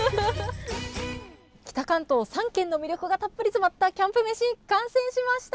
北関東３県の魅力がたっぷり詰まったキャンプ飯完成しました！